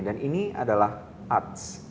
dan ini adalah art